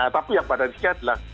tapi yang pada disini adalah